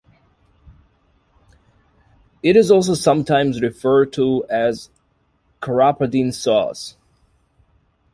It is also sometimes referred to as "crapaudine sauce".